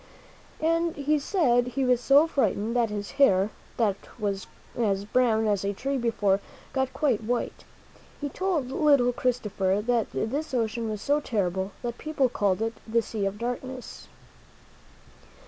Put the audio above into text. And he said he was so frightened that his hair, that was as brown as a tree before, got quite white. He told little Christopher that this ocean was so terrible that people called it "The Sea of Darkness."